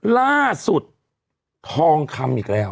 ล่าสุดทองคำอีกแล้ว